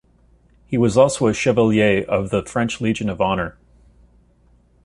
He was also a Chevalier of the French Legion of Honor.